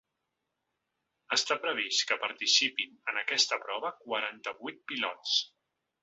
Està previst que participin en aquesta prova quaranta-vuit pilots.